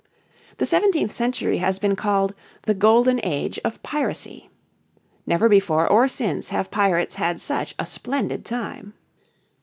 The seventeenth century has been called "The Golden Age of Piracy." Never before or since have pirates had such a splendid time.